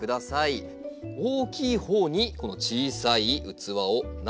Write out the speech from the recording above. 大きいほうにこの小さい器を中に入れます。